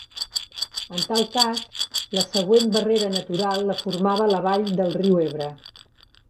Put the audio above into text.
En tal cas, la següent barrera natural la formava la vall del riu Ebre.